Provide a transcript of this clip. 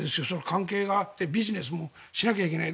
関係があってビジネスもしなきゃいけない。